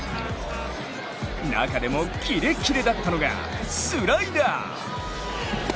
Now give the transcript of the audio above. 中でもキレキレだったのがスライダー。